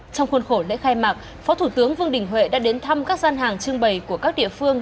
trong khuôn khổ lễ khai mạc phó thủ tướng vương đình huệ đã đến thăm các gian hàng trưng bày của các địa phương